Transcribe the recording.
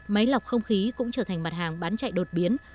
máy lọc không khí cũng trở thành mặt hàng bán chạy đột biến